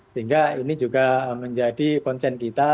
sehingga ini juga menjadi konsen kita